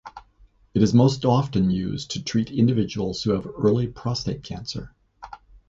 It is most often used to treat individuals who have early prostate cancer.